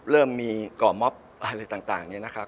เริ่มมีก่อม็อบอะไรต่างเนี่ยนะครับ